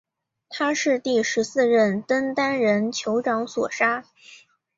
他是第十四任登丹人酋长所杀。